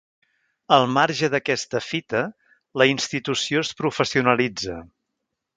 Al marge d'aquesta fita, la institució es professionalitza.